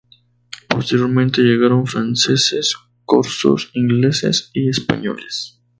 Posteriormente llegaron franceses, corsos, ingleses y españoles.